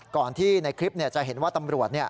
ก่อนที่ในคลิปเนี่ยจะเห็นว่าตำรวจเนี่ย